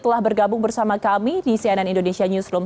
telah bergabung bersama kami di cnn indonesia newsroom